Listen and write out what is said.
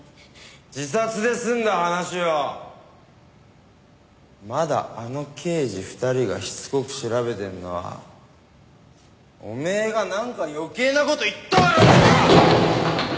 自殺で済んだ話をまだあの刑事２人がしつこく調べてんのはおめえがなんか余計な事言ったからだろうが！